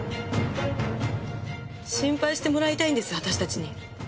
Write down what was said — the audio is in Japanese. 心配してもらいたいんです私たちに。